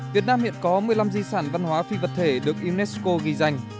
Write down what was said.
việt nam hiện có một mươi năm di sản văn hóa phi vật thể được unesco ghi danh